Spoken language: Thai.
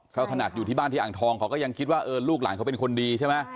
เขาขนาดอยู่ที่บ้านที่อ่างทองเขาก็ยังคิดว่าเออลูกหลานเขาเป็นคนดีใช่ไหม